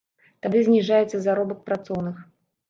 Тады зніжаецца заробак працоўных.